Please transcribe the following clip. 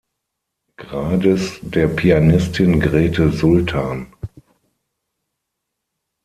Grades der Pianistin Grete Sultan.